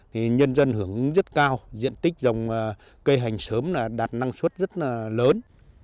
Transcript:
thì nhân dân hưởng ứng rất cao diện tích dòng cây hành sớm là đạt năng suất rất là lớn